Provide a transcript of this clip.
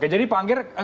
jadi pak anggir